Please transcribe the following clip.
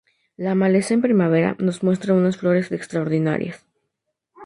La maleza en primavera, nos muestra unas flores extraordinarias.